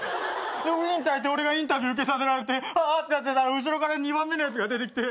ウイーンって開いて俺がインタビュー受けさせられてあってなってたら後ろから２番目のやつが出てきて